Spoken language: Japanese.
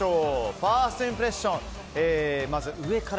ファーストインプレッションまず上から。